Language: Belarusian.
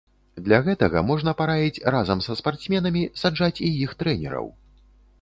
Для гэтага можна параіць разам са спартсменамі саджаць і іх трэнераў.